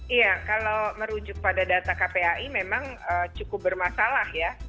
iya kalau merujuk pada data kpai memang cukup bermasalah ya